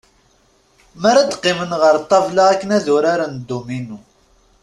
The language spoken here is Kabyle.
Mi ara d-qqimen ɣer ṭṭabla akken ad uraren dduminu.